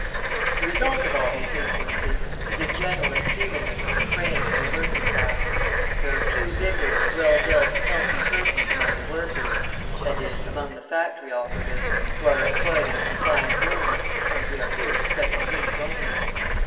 The result of all these influences is a general enfeeblement of the frame in the working class. There are few vigorous, well built, healthy persons among the workers, i.e., among the factory operatives, who are employed in confined rooms, and we are here discussing these only.